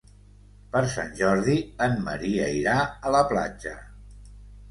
Per Sant Jordi en Maria irà a la platja.